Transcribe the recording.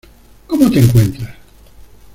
¿Cómo te encuentras?